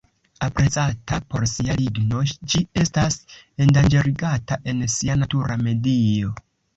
Aprezata por sia ligno, ĝi estas endanĝerigata en sia natura medio.